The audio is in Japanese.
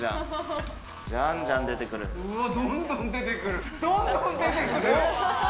どんどん出てくる。